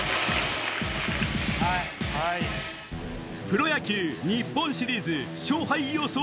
プロ野球日本シリーズ勝敗予想